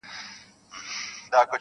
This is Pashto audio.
چي ته ورته دانې د عاطفې لرې که نه,